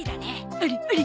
ありあり。